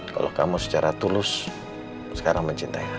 kalau kamu secara tulus sekarang mencintai andien